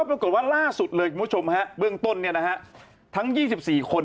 ปรากฏว่าล่าสุดเลยมุดชมฮะเบื้องต้นเนี่ยนะฮะทั้ง๒๔คน